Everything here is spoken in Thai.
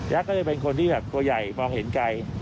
ยักษ์ก็จะเป็นคนที่ตัวใหญ่มองเห็นไกล